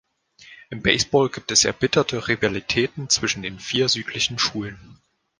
Im Baseball gibt es erbitterte Rivalitäten zwischen den vier südlichen Schulen.